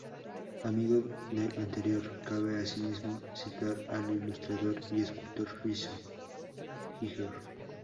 Amigo del anterior, cabe asimismo citar al ilustrador y escultor suizo H. R. Giger.